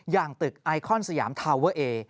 อย่างตึกไอคอนสยามทาวเวอร์เอ